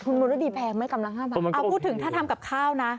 ทุนบริษัทดีแพงไหมกำลังห้าบาทเออพูดถึงถ้าทำกับข้าวนะ